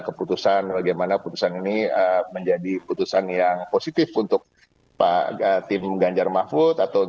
keputusan bagaimana keputusan ini menjadi keputusan yang positif untuk pak tim ganjarmafut atau